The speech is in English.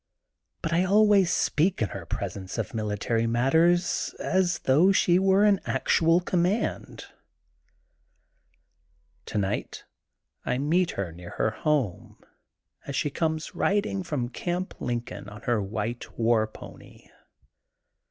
But I always speak in her pres ence of military matters as though she were in actual conmaand. Tonight I meet her near her home as she comes riding from Gamp Lincoln on her wjiite war pony.